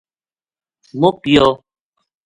مُک گیو